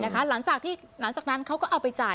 หลังจากนั้นเขาก็เอาไปจ่าย